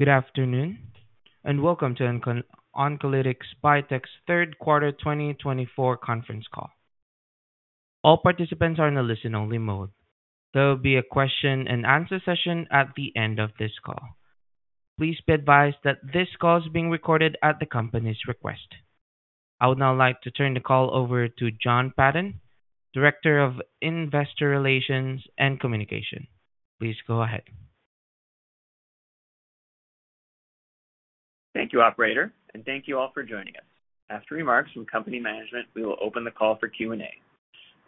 Good afternoon, and welcome to Oncolytics Biotech's Q3 2024 Conference Call. All participants are in a listen-only mode. There will be a question-and-answer session at the end of this call. Please be advised that this call is being recorded at the company's request. I would now like to turn the call over to Jon Patton, Director of Investor Relations and Communication. Please go ahead. Thank you, Operator, and thank you all for joining us. After remarks from company management, we will open the call for Q&A.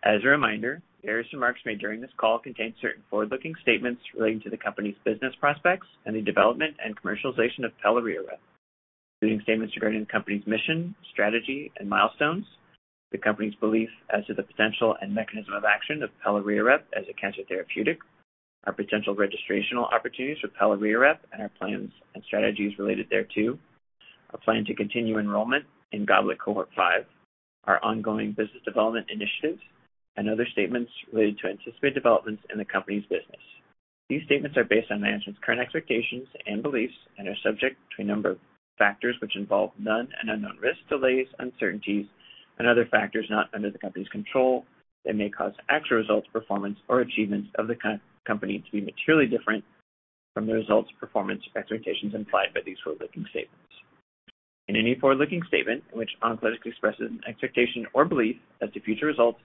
As a reminder, the remarks made during this call contain certain forward-looking statements relating to the company's business prospects and the development and commercialization of Pelareorep, including statements regarding the company's mission, strategy, and milestones, the company's belief as to the potential and mechanism of action of Pelareorep as a cancer therapeutic, our potential registrational opportunities for Pelareorep and our plans and strategies related thereto, our plan to continue enrollment in GOBLET Cohort 5, our ongoing business development initiatives, and other statements related to anticipated developments in the company's business. These statements are based on management's current expectations and beliefs and are subject to a number of factors which involve known and unknown risks, delays, uncertainties, and other factors not under the company's control that may cause actual results, performance, or achievements of the company to be materially different from the results, performance, or expectations implied by these forward-looking statements. In any forward-looking statement in which Oncolytics expresses an expectation or belief that the future results,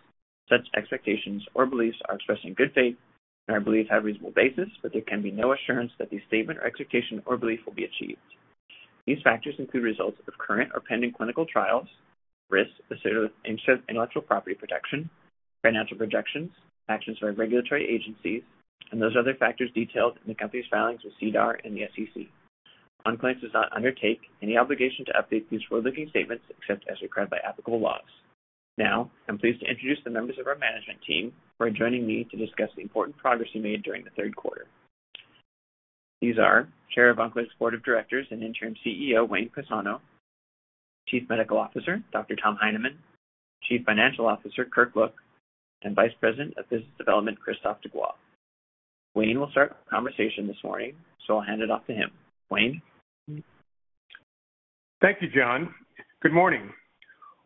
such expectations or beliefs, are expressed in good faith and are believed to have reasonable basis, but there can be no assurance that the statement or expectation or belief will be achieved. These factors include results of current or pending clinical trials, risks associated with intellectual property protection, financial projections, actions by regulatory agencies, and those other factors detailed in the company's filings with SEDAR and the SEC. Oncolytics does not undertake any obligation to update these forward-looking statements except as required by applicable laws. Now, I'm pleased to introduce the members of our management team who are joining me to discuss the important progress we made during the Q3. These are Chair of Oncolytics Board of Directors and Interim CEO Wayne Pisano, Chief Medical Officer Dr. Tom Heinemann, Chief Financial Officer Kirk Look, and Vice President of Business Development Christophe Degois. Wayne will start our conversation this morning, so I'll hand it off to him. Wayne. Thank you, Jon. Good morning.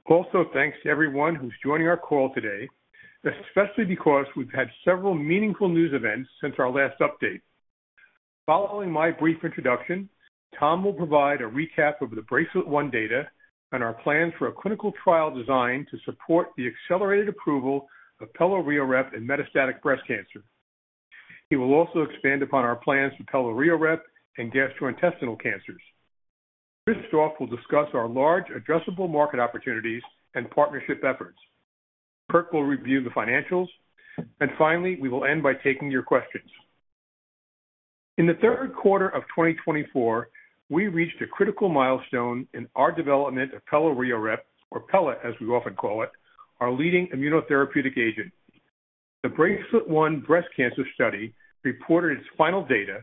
Also, thanks to everyone who's joining our call today, especially because we've had several meaningful news events since our last update. Following my brief introduction, Tom will provide a recap of the BRACELET-1 data and our plans for a clinical trial designed to support the accelerated approval of Pelareorep in metastatic breast cancer. He will also expand upon our plans for Pelareorep in gastrointestinal cancers. Christophe will discuss our large addressable market opportunities and partnership efforts. Kirk will review the financials. And finally, we will end by taking your questions. In the Q3 of 2024, we reached a critical milestone in our development of Pelareorep, or pelAR, as we often call it, our leading immunotherapeutic agent. The BRACELET-1 breast cancer study reported its final data,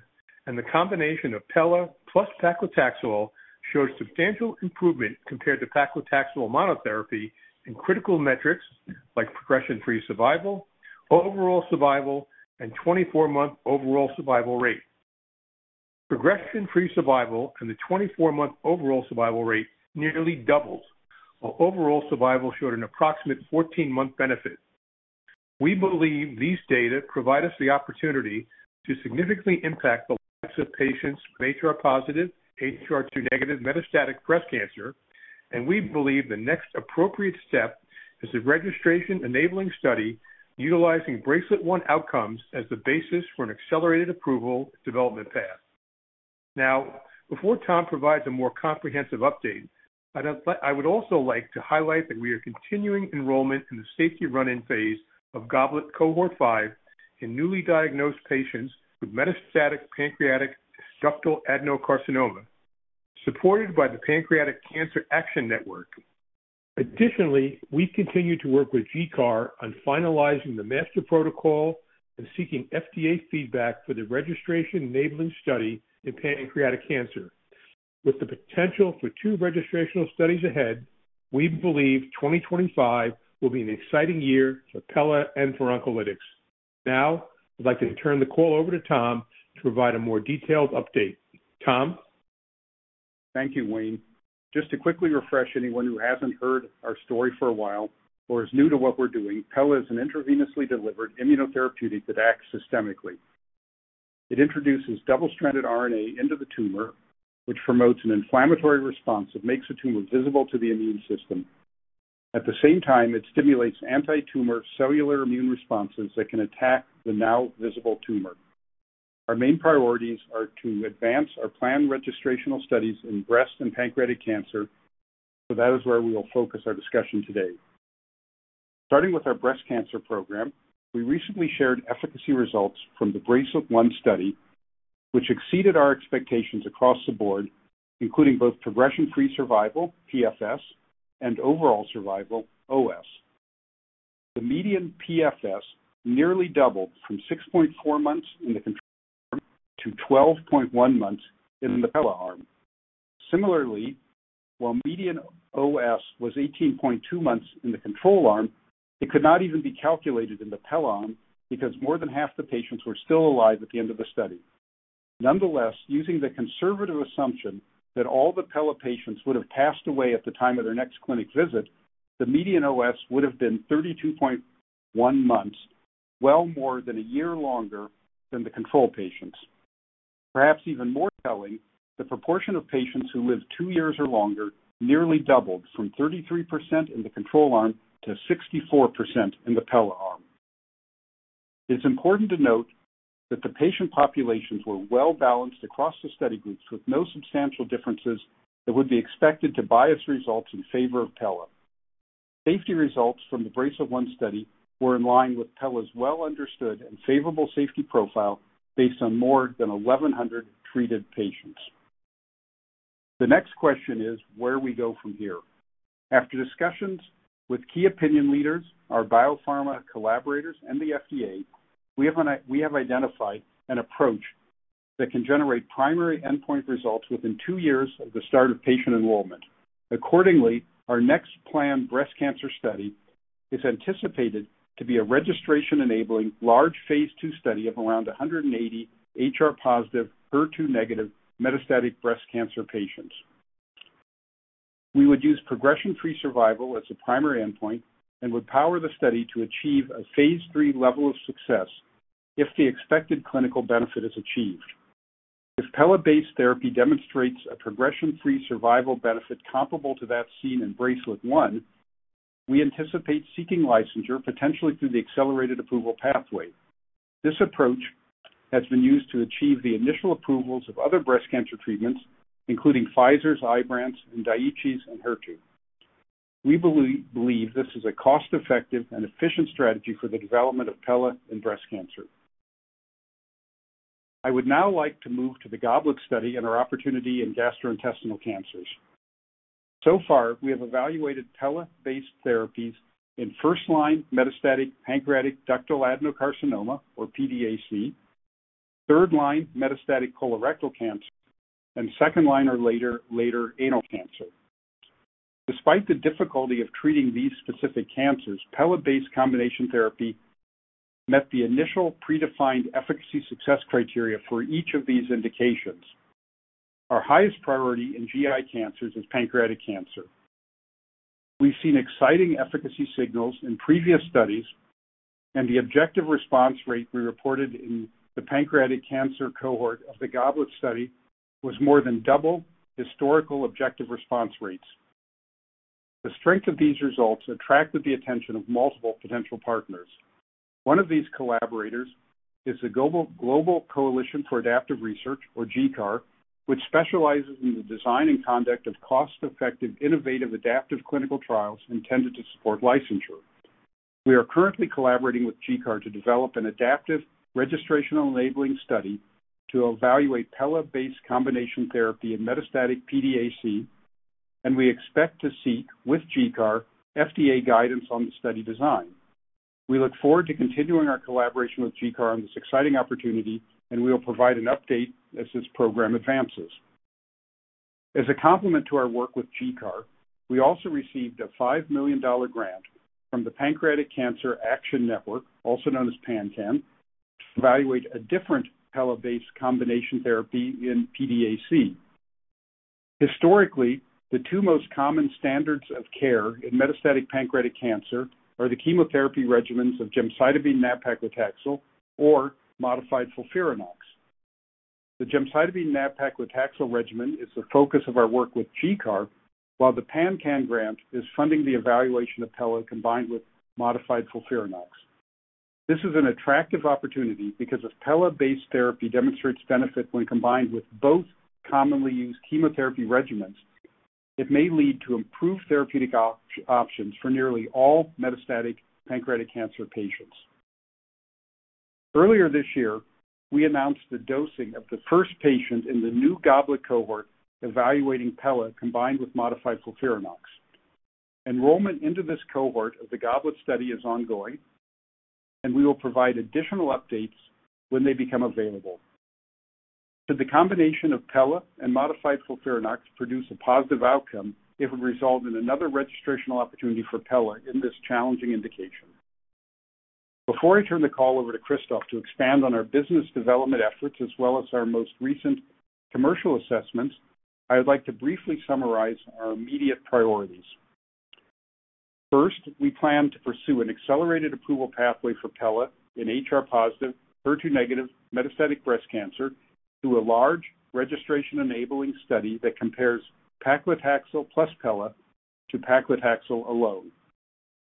and the combination of pelareorep plus paclitaxel showed substantial improvement compared to paclitaxel monotherapy in critical metrics like progression-free survival, overall survival, and 24-month overall survival rate. Progression-free survival and the 24-month overall survival rate nearly doubled, while overall survival showed an approximate 14-month benefit. We believe these data provide us the opportunity to significantly impact the lives of patients with HR-positive, HER2-negative metastatic breast cancer, and we believe the next appropriate step is the registration-enabling study utilizing BRACELET-1 outcomes as the basis for an accelerated approval development path. Now, before Tom provides a more comprehensive update, I would also like to highlight that we are continuing enrollment in the safety run-in phase of GOBLET Cohort 5 in newly diagnosed patients with metastatic pancreatic ductal adenocarcinoma, supported by the Pancreatic Cancer Action Network. Additionally, we continue to work with GCAR on finalizing the master protocol and seeking FDA feedback for the registration-enabling study in pancreatic cancer. With the potential for two registrational studies ahead, we believe 2025 will be an exciting year for pelareorep and for Oncolytics. Now, I'd like to turn the call over to Tom to provide a more detailed update. Tom. Thank you, Wayne. Just to quickly refresh anyone who hasn't heard our story for a while or is new to what we're doing, pelareorep is an intravenously delivered immunotherapeutic that acts systemically. It introduces double-stranded RNA into the tumor, which promotes an inflammatory response that makes the tumor visible to the immune system. At the same time, it stimulates anti-tumor cellular immune responses that can attack the now visible tumor. Our main priorities are to advance our planned registrational studies in breast and pancreatic cancer, so that is where we will focus our discussion today. Starting with our breast cancer program, we recently shared efficacy results from the BRACELET-1 study, which exceeded our expectations across the board, including both progression-free survival, PFS, and overall survival, OS. The median PFS nearly doubled from 6.4 months in the control arm to 12.1 months in the pelareorep arm. Similarly, while median OS was 18.2 months in the control arm, it could not even be calculated in the pelareorep because more than half the patients were still alive at the end of the study. Nonetheless, using the conservative assumption that all the pelareorep patients would have passed away at the time of their next clinic visit, the median OS would have been 32.1 months, well more than a year longer than the control patients. Perhaps even more telling, the proportion of patients who lived two years or longer nearly doubled from 33% in the control arm to 64% in the pelareorep arm. It's important to note that the patient populations were well-balanced across the study groups with no substantial differences that would be expected to bias results in favor of pelareorep. Safety results from the BRACELET-1 study were in line with pelareorep's well-understood and favorable safety profile based on more than 1,100 treated patients. The next question is where we go from here. After discussions with key opinion leaders, our biopharma collaborators, and the FDA, we have identified an approach that can generate primary endpoint results within two years of the start of patient enrollment. Accordingly, our next planned breast cancer study is anticipated to be a registration-enabling large phase 2 study of around 180 HR-positive, HER2-negative metastatic breast cancer patients. We would use progression-free survival as a primary endpoint and would power the study to achieve a phase 3 level of success if the expected clinical benefit is achieved. If pelareorep-based therapy demonstrates a progression-free survival benefit comparable to that seen in BRACELET-1, we anticipate seeking licensure potentially through the accelerated approval pathway. This approach has been used to achieve the initial approvals of other breast cancer treatments, including Pfizer's Ibrance, Daiichi Sankyo's Enhertu. We believe this is a cost-effective and efficient strategy for the development of pelareorep in breast cancer. I would now like to move to the GOBLET study and our opportunity in gastrointestinal cancers. So far, we have evaluated pelareorep-based therapies in first-line metastatic pancreatic ductal adenocarcinoma, or PDAC, third-line metastatic colorectal cancer, and second-line or later anal cancer. Despite the difficulty of treating these specific cancers, pelareorep-based combination therapy met the initial predefined efficacy success criteria for each of these indications. Our highest priority in GI cancers is pancreatic cancer. We've seen exciting efficacy signals in previous studies, and the objective response rate we reported in the pancreatic cancer cohort of the GOBLET study was more than double historical objective response rates. The strength of these results attracted the attention of multiple potential partners. One of these collaborators is the Global Coalition for Adaptive Research, or GCAR, which specializes in the design and conduct of cost-effective, innovative adaptive clinical trials intended to support licensure. We are currently collaborating with GCAR to develop an adaptive registration-enabling study to evaluate pelareorep-based combination therapy in metastatic PDAC, and we expect to seek, with GCAR, FDA guidance on the study design. We look forward to continuing our collaboration with GCAR on this exciting opportunity, and we will provide an update as this program advances. As a complement to our work with GCAR, we also received a $5 million grant from the Pancreatic Cancer Action Network, also known as PanCAN, to evaluate a different pelareorep-based combination therapy in PDAC. Historically, the two most common standards of care in metastatic pancreatic cancer are the chemotherapy regimens of gemcitabine and paclitaxel, or modified FOLFIRINOX. The gemcitabine and paclitaxel regimen is the focus of our work with GCAR, while the PanCAN grant is funding the evaluation of pelareorep combined with modified FOLFIRINOX. This is an attractive opportunity because if pelareorep-based therapy demonstrates benefit when combined with both commonly used chemotherapy regimens, it may lead to improved therapeutic options for nearly all metastatic pancreatic cancer patients. Earlier this year, we announced the dosing of the first patient in the new GOBLET cohort evaluating pelareorep combined with modified FOLFIRINOX. Enrollment into this cohort of the GOBLET study is ongoing, and we will provide additional updates when they become available. Should the combination of pelareorep and modified FOLFIRINOX produce a positive outcome, it would result in another registrational opportunity for pelareorep in this challenging indication. Before I turn the call over to Christophe to expand on our business development efforts as well as our most recent commercial assessments, I would like to briefly summarize our immediate priorities. First, we plan to pursue an accelerated approval pathway for pelareorep in HR-positive, HER2-negative metastatic breast cancer through a large registration-enabling study that compares paclitaxel plus pelareorep to paclitaxel alone.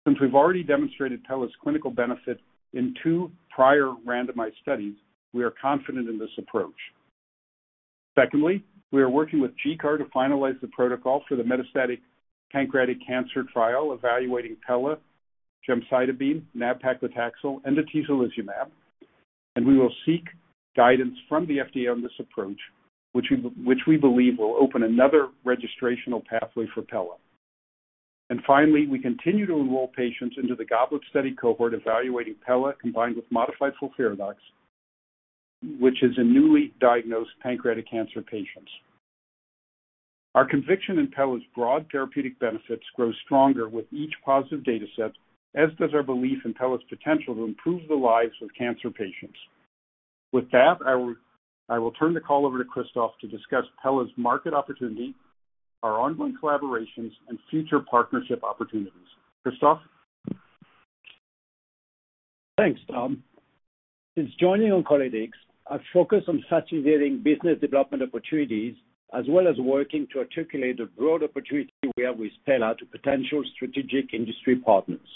Since we've already demonstrated pelareorep's clinical benefit in two prior randomized studies, we are confident in this approach. Secondly, we are working with GCAR to finalize the protocol for the metastatic pancreatic cancer trial evaluating pelareorep, gemcitabine, nab-paclitaxel, and atezolizumab, and we will seek guidance from the FDA on this approach, which we believe will open another registrational pathway for pelareorep. And finally, we continue to enroll patients into the GOBLET study cohort evaluating pelareorep combined with modified FOLFIRINOX, which is in newly diagnosed pancreatic cancer patients. Our conviction in pelareorep's broad therapeutic benefits grows stronger with each positive data set, as does our belief in pelareorep's potential to improve the lives of cancer patients. With that, I will turn the call over to Christophe to discuss pelareorep's market opportunity, our ongoing collaborations, and future partnership opportunities. Christophe. Thanks, Tom. Since joining Oncolytics, I've focused on facilitating business development opportunities as well as working to articulate a broad opportunity we have with pelareorep to potential strategic industry partners.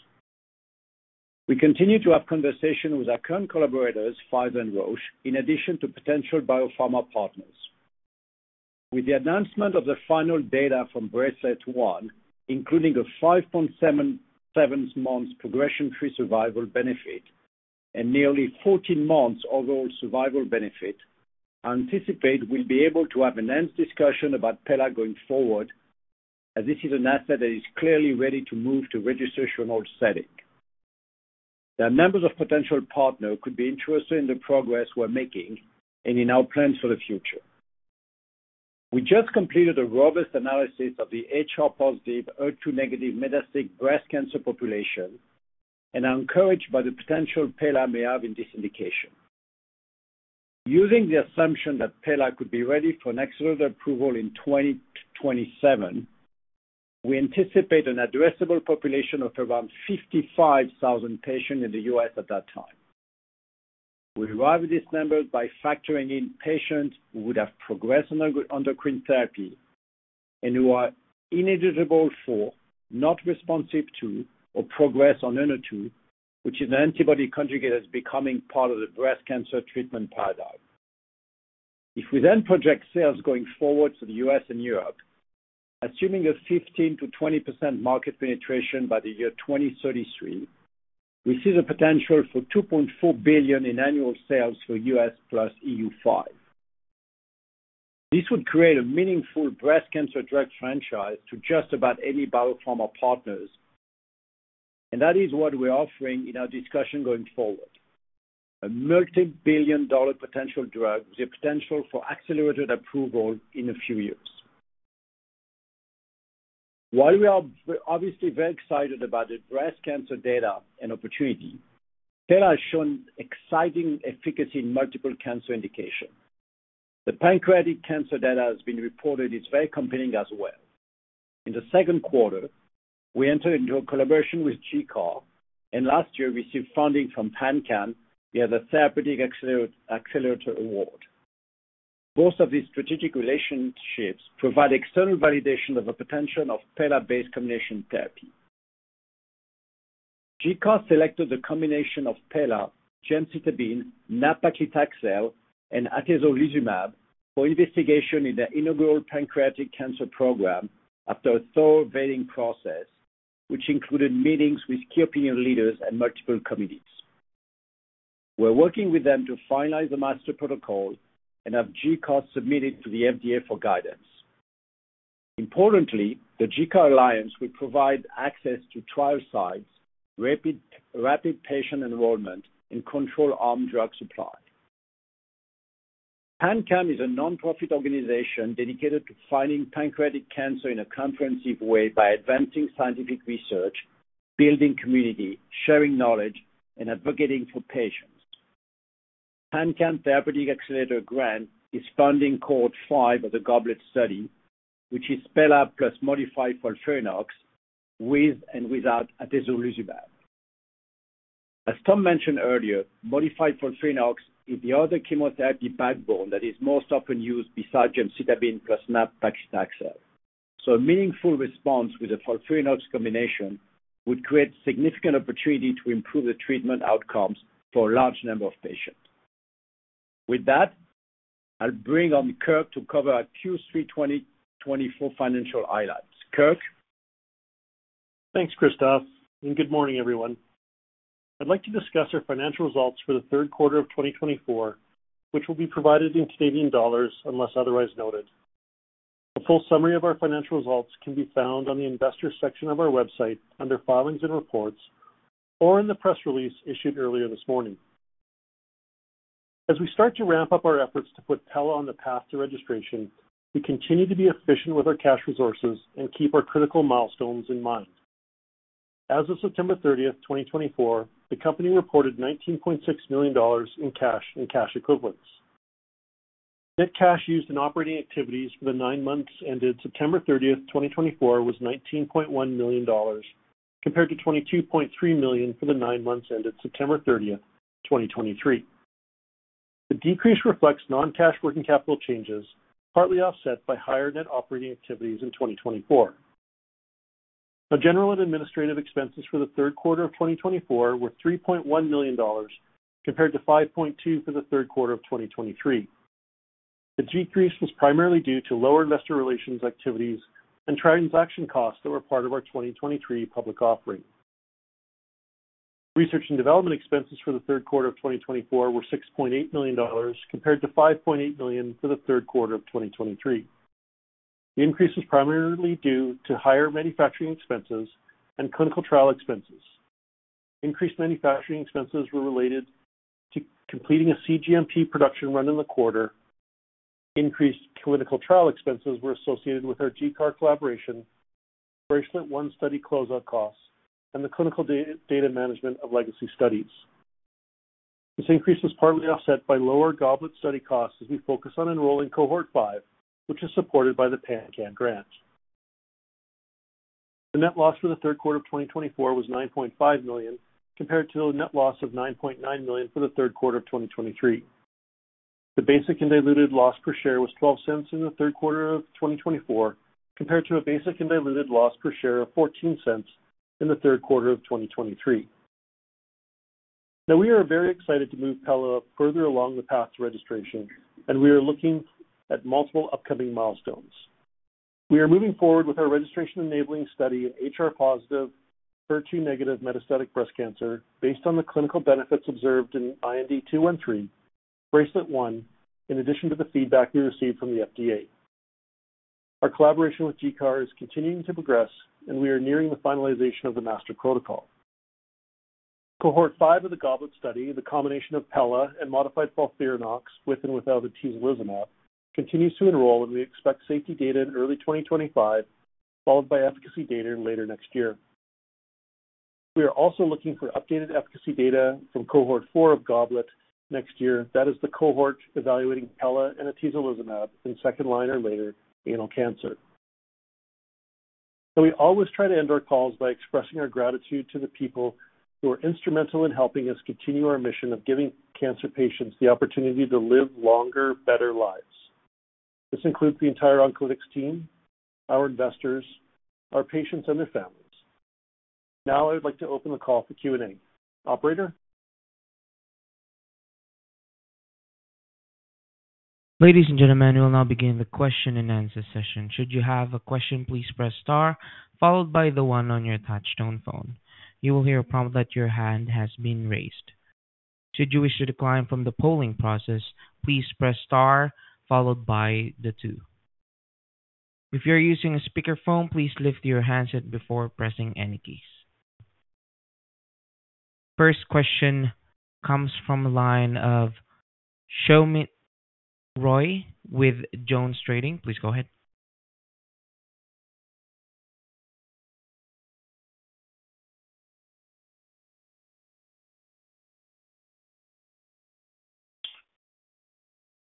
We continue to have conversations with our current collaborators, Pfizer and Roche, in addition to potential biopharma partners. With the announcement of the final data from BRACELET-1, including a 5.7 months progression-free survival benefit and nearly 14 months overall survival benefit, I anticipate we'll be able to have an enhanced discussion about pelareorep going forward, as this is an asset that is clearly ready to move to registration or setting. The number of potential partners could be interested in the progress we're making and in our plans for the future. We just completed a robust analysis of the HR-positive, HER2-negative metastatic breast cancer population, and I'm encouraged by the potential pelareorep we have in this indication. Using the assumption that pelareorep could be ready for an accelerated approval in 2027, we anticipate an addressable population of around 55,000 patients in the US at that time. We arrive at these numbers by factoring in patients who would have progressed on endocrine therapy and who are ineligible for, not responsive to, or progressed on Enhertu, which is an antibody conjugate that's becoming part of the breast cancer treatment paradigm. If we then project sales going forward to the US and Europe, assuming a 15% to 20% market penetration by the year 2033, we see the potential for $2.4 billion in annual sales for US plus EU5. This would create a meaningful breast cancer drug franchise to just about any biopharma partners, and that is what we're offering in our discussion going forward, a multi-billion dollar potential drug with the potential for accelerated approval in a few years. While we are obviously very excited about the breast cancer data and opportunity, pelareorep has shown exciting efficacy in multiple cancer indications. The pancreatic cancer data has been reported and is very compelling as well. In the Q2, we entered into a collaboration with GCAR, and last year received funding from PanCAN via the Therapeutic Accelerator Award. Both of these strategic relationships provide external validation of the potential of pelareorep-based combination therapy. GCAR selected the combination of pelareorep, gemcitabine, nab-paclitaxel, and atezolizumab for investigation in the inaugural pancreatic cancer program after a thorough vetting process, which included meetings with key opinion leaders and multiple committees. We're working with them to finalize the master protocol and have GCAR submit to the FDA for guidance. Importantly, the GCAR Alliance will provide access to trial sites, rapid patient enrollment, and control arm drug supply. PanCAN is a nonprofit organization dedicated to finding pancreatic cancer in a comprehensive way by advancing scientific research, building community, sharing knowledge, and advocating for patients. PanCAN Therapeutic Accelerator grant is funding cohort five of the GOBLET study, which is pelareorep plus modified FOLFIRINOX with and without atezolizumab. As Tom mentioned earlier, modified FOLFIRINOX is the other chemotherapy backbone that is most often used besides gemcitabine plus nab-paclitaxel. So a meaningful response with the FOLFIRINOX combination would create significant opportunity to improve the treatment outcomes for a large number of patients. With that, I'll bring on Kirk to cover our Q3 2024 financial highlights. Kirk. Thanks, Christophe, and good morning, everyone. I'd like to discuss our financial results for the Q3 of 2024, which will be provided in Canadian dollars unless otherwise noted. A full summary of our financial results can be found on the investor section of our website under filings and reports or in the press release issued earlier this morning. As we start to ramp up our efforts to put pelareorep on the path to registration, we continue to be efficient with our cash resources and keep our critical milestones in mind. As of September 30th, 2024, the company reported 19.6 million dollars in cash and cash equivalents. Net cash used in operating activities for the nine months ended September 30th, 2024, was 19.1 million dollars compared to 22.3 million for the nine months ended 30 September 2023. The decrease reflects non-cash working capital changes, partly offset by higher net operating activities in 2024. Our general and administrative expenses for the Q3 of 2024 were $3.1 million compared to $5.2 million for the Q3 of 2023. The decrease was primarily due to lower investor relations activities and transaction costs that were part of our 2023 public offering. Research and development expenses for the Q3 of 2024 were $6.8 million compared to $5.8 million for the Q3 of 2023. The increase was primarily due to higher manufacturing expenses and clinical trial expenses. Increased manufacturing expenses were related to completing a cGMP production run in the quarter. Increased clinical trial expenses were associated with our GCAR collaboration, the BRACELET-1 study closeout costs, and the clinical data management of legacy studies. This increase was partly offset by lower GOBLET study costs as we focus on enrolling cohort five, which is supported by the PanCAN grant. The net loss for the Q3 of 2024 was C$9.5 million compared to a net loss of C$9.9 million for the Q3 of 2023. The basic and diluted loss per share was C$0.12 in the Q3 of 2024 compared to a basic and diluted loss per share of C$0.14 in the Q3 of 2023. Now, we are very excited to move pelareorep further along the path to registration, and we are looking at multiple upcoming milestones. We are moving forward with our registration-enabling study in HR-positive, HER2-negative metastatic breast cancer based on the clinical benefits observed in IND-213, BRACELET-1, in addition to the feedback we received from the FDA. Our collaboration with GCAR is continuing to progress, and we are nearing the finalization of the master protocol. Cohort five of the GOBLET study, the combination of pelareorep and modified FOLFIRINOX with and without atezolizumab, continues to enroll, and we expect safety data in early 2025, followed by efficacy data in later next year. We are also looking for updated efficacy data from cohort four of GOBLET next year, that is the cohort evaluating pelareorep and atezolizumab in second line or later anal cancer. So we always try to end our calls by expressing our gratitude to the people who are instrumental in helping us continue our mission of giving cancer patients the opportunity to live longer, better lives. This includes the entire Oncolytics team, our investors, our patients, and their families. Now, I would like to open the call for Q&A. Operator. Ladies and gentlemen, we will now begin the question and answer session. Should you have a question, please press star, followed by the one on your touch-tone phone. You will hear a prompt that your hand has been raised. Should you wish to decline from the polling process, please press star, followed by the two. If you're using a speakerphone, please lift your handset before pressing any keys. First question comes from a line of Soumit Roy with Jones Trading. Please go ahead.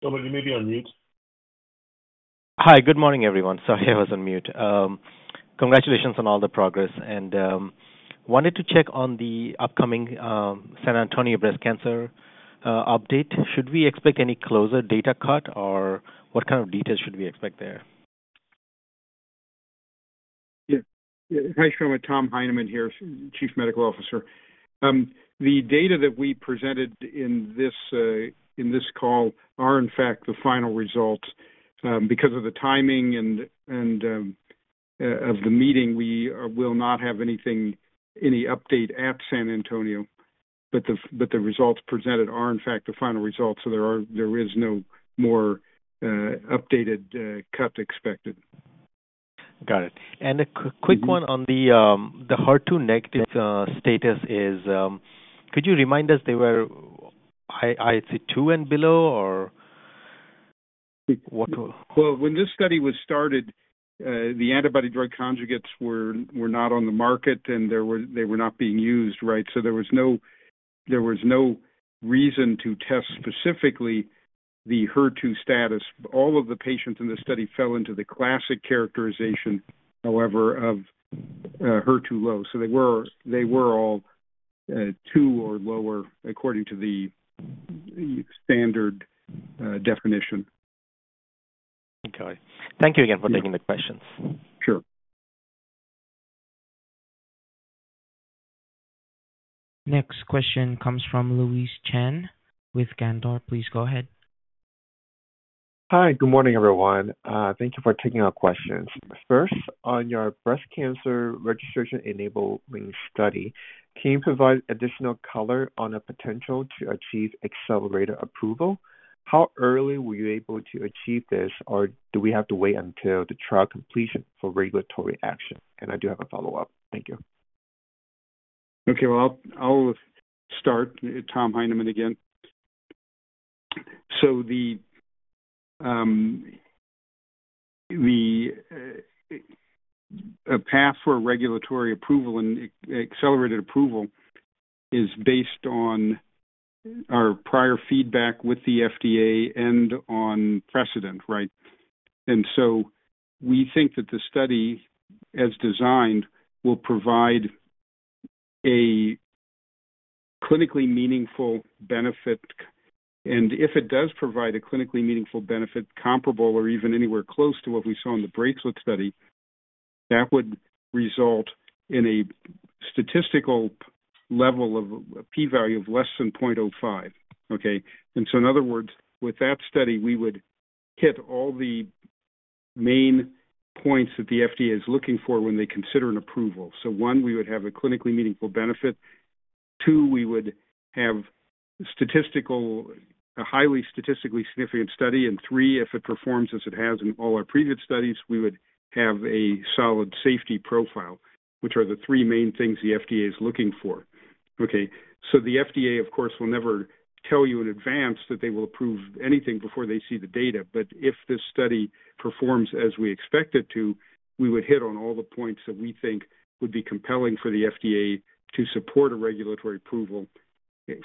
Soumit, you may be on mute. Hi, good morning, everyone. Sorry, I was on mute. Congratulations on all the progress and wanted to check on the upcoming San Antonio breast cancer update. Should we expect any closer data cut, or what kind of details should we expect there? Yeah. Hi, Soumit. Tom Heineman here, Chief Medical Officer. The data that we presented in this call are, in fact, the final results. Because of the timing of the meeting, we will not have any update at San Antonio, but the results presented are, in fact, the final results, so there is no more updated cut expected. Got it. And a quick one on the HER2-negative status is, could you remind us they were, I'd say, two and below, or? When this study was started, the antibody-drug conjugates were not on the market, and they were not being used, right? So there was no reason to test specifically the HER2 status. All of the patients in this study fell into the classic characterization, however, of HER2-low. So they were all two or lower according to the standard definition. Okay. Thank you again for taking the questions. Sure. Next question comes from Louise Chen with Cantor. Please go ahead. Hi, good morning, everyone. Thank you for taking our questions. First, on your breast cancer registration-enabling study, can you provide additional color on the potential to achieve accelerated approval? How early were you able to achieve this, or do we have to wait until the trial completion for regulatory action? I do have a follow-up. Thank you. Okay. I'll start, Tom Heinemann, again. The path for regulatory approval and accelerated approval is based on our prior feedback with the FDA and on precedent, right? We think that the study, as designed, will provide a clinically meaningful benefit. If it does provide a clinically meaningful benefit comparable or even anywhere close to what we saw in the BRACELET-1 study, that would result in a statistical level of a p-value of less than 0.05, okay? In other words, with that study, we would hit all the main points that the FDA is looking for when they consider an approval. One, we would have a clinically meaningful benefit. Two, we would have a highly statistically significant study. Three, if it performs as it has in all our previous studies, we would have a solid safety profile, which are the three main things the FDA is looking for, okay? So the FDA, of course, will never tell you in advance that they will approve anything before they see the data. But if this study performs as we expect it to, we would hit on all the points that we think would be compelling for the FDA to support a regulatory approval,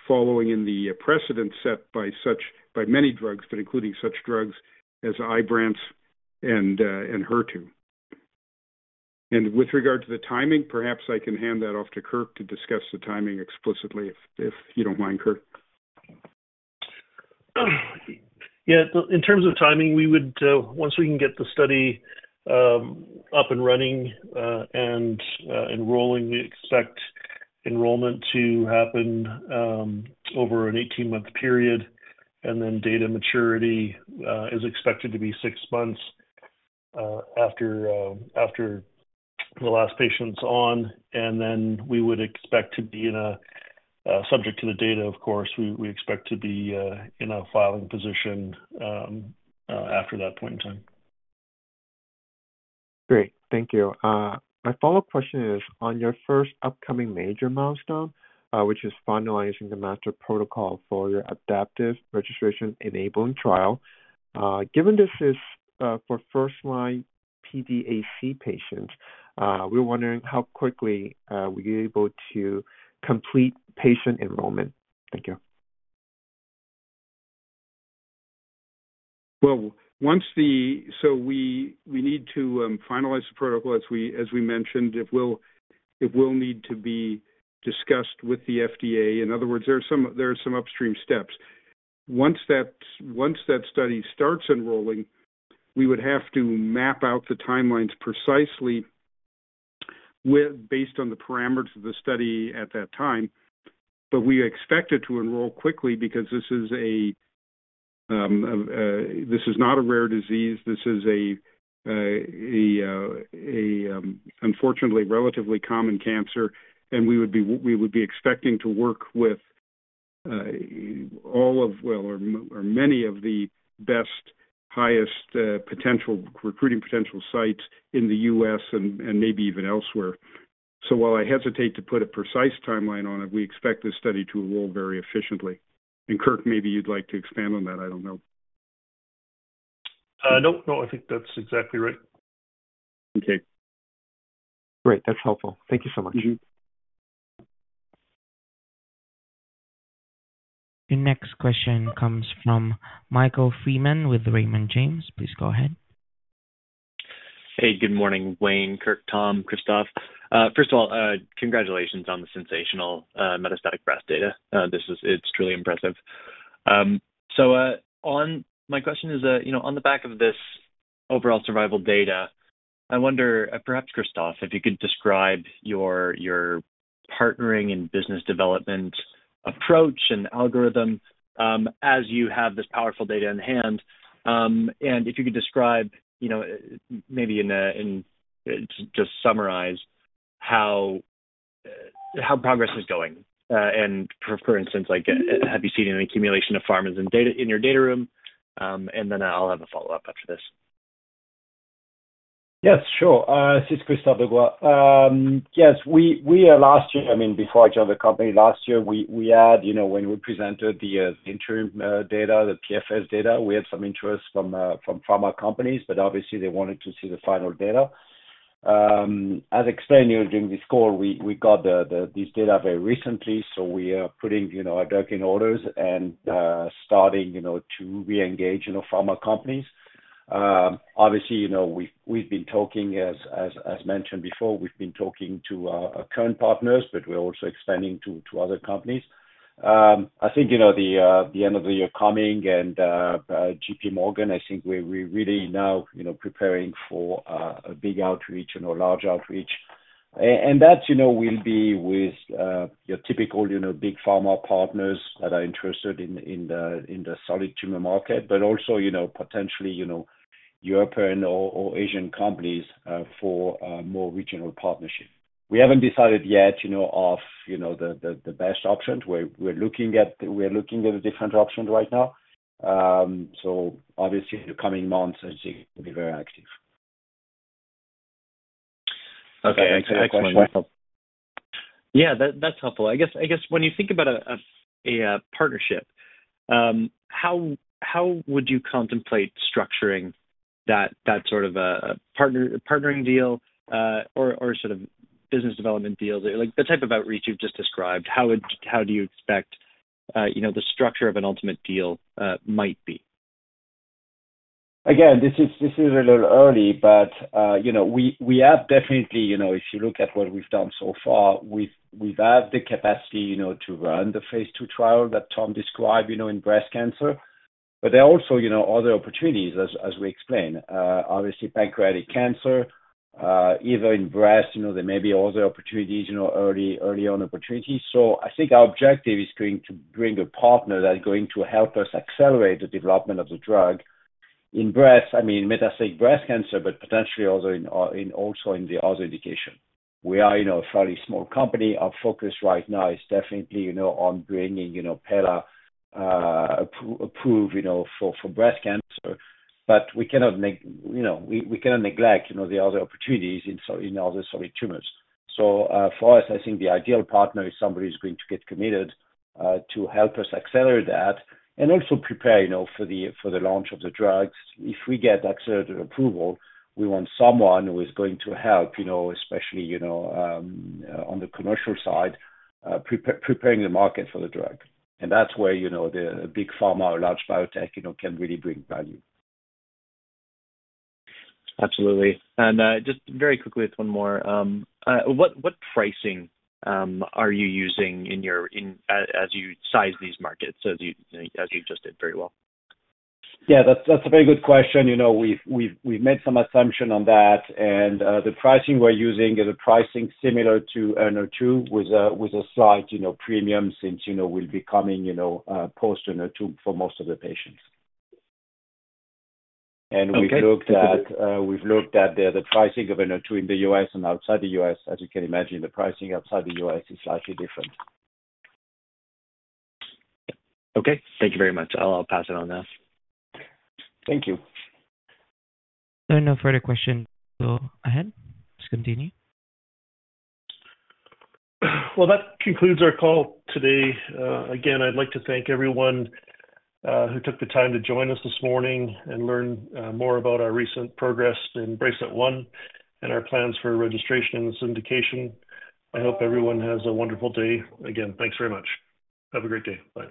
following in the precedent set by many drugs, but including such drugs as Ibrance and Enhertu. With regard to the timing, perhaps I can hand that off to Kirk to discuss the timing explicitly, if you don't mind, Kirk. Yeah. In terms of timing, once we can get the study up and running and enrolling, we expect enrollment to happen over an 18-month period. Data maturity is expected to be six months after the last patient is on. We would expect to submit the data, of course. We expect to be in a filing position after that point in time. Great. Thank you. My follow-up question is, on your first upcoming major milestone, which is finalizing the master protocol for your adaptive registration-enabling trial, given this is for first-line PDAC patients, we're wondering how quickly we're able to complete patient enrollment? Thank you. Well, so we need to finalize the protocol, as we mentioned. It will need to be discussed with the FDA. In other words, there are some upstream steps. Once that study starts enrolling, we would have to map out the timelines precisely based on the parameters of the study at that time. But we expect it to enroll quickly because this is not a rare disease. This is an unfortunately relatively common cancer. And we would be expecting to work with all of, well, or many of the best, highest recruiting potential sites in the U.S. and maybe even elsewhere. So while I hesitate to put a precise timeline on it, we expect this study to enroll very efficiently. And Kirk, maybe you'd like to expand on that. I don't know. No, no. I think that's exactly right. Okay. Great. That's helpful. Thank you so much. The next question comes from Michael Freeman with Raymond James. Please go ahead. Hey, good morning, Wayne, Kirk, Tom, Christophe. First of all, congratulations on the sensational metastatic breast data. It's truly impressive. So my question is, on the back of this overall survival data, I wonder, perhaps Christophe, if you could describe your partnering and business development approach and algorithm as you have this powerful data in hand. And if you could describe, maybe just summarize, how progress is going. And for instance, have you seen an accumulation of pharmas in your data room? And then I'll have a follow-up after this. Yes, sure. This is Christophe Degois. Yes. I mean, before I joined the company last year, we had, when we presented the interim data, the PFS data, we had some interest from pharma companies, but obviously, they wanted to see the final data. As explained during this call, we got this data very recently, so we are getting our ducks in a row and starting to re-engage pharma companies. Obviously, we've been talking, as mentioned before, we've been talking to our current partners, but we're also expanding to other companies. I think the end of the year is coming, and J.P. Morgan, I think we're really now preparing for a big outreach, a large outreach. That will be with your typical big pharma partners that are interested in the solid tumor market, but also potentially European or Asian companies for more regional partnership. We haven't decided yet on the best options. We're looking at different options right now. So obviously, in the coming months, I think we'll be very active. Okay. Excellent. Yeah, that's helpful. I guess when you think about a partnership, how would you contemplate structuring that sort of partnering deal or sort of business development deal? The type of outreach you've just described, how do you expect the structure of an ultimate deal might be? Again, this is a little early, but we have definitely, if you look at what we've done so far, we've had the capacity to run the phase II trial that Tom described in breast cancer, but there are also other opportunities, as we explained. Obviously, pancreatic cancer, even in breast, there may be other opportunities, early-on opportunities, so I think our objective is going to bring a partner that's going to help us accelerate the development of the drug in breast, I mean, metastatic breast cancer, but potentially also in the other indication. We are a fairly small company. Our focus right now is definitely on bringing pelareorep approval for breast cancer, but we cannot neglect the other opportunities in other solid tumors. So for us, I think the ideal partner is somebody who's going to get committed to help us accelerate that and also prepare for the launch of the drugs. If we get accelerated approval, we want someone who is going to help, especially on the commercial side, preparing the market for the drug. And that's where a big pharma or large biotech can really bring value. Absolutely. And just very quickly, one more. What pricing are you using as you size these markets, as you just did very well? Yeah, that's a very good question. We've made some assumptions on that. And the pricing we're using is a pricing similar to nivo with a slight premium since we'll be coming post-nivo for most of the patients. And we've looked at the pricing of nivo in the US and outside the US. As you can imagine, the pricing outside the US is slightly different. Okay. Thank you very much. I'll pass it on now. Thank you. There are no further questions, so go ahead. Just continue. That concludes our call today. Again, I'd like to thank everyone who took the time to join us this morning and learn more about our recent progress in BRACELET-1 and our plans for registration and syndication. I hope everyone has a wonderful day. Again, thanks very much. Have a great day. Bye.